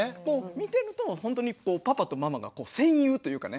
見てるとパパとママが戦友というかね。